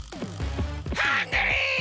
ハングリー！